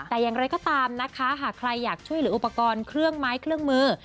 แต่อย่างไรก็ตามนะคะหากใครอยากช่วยเหลืออุปกรณ์เครื่องไม้เครื่องมือ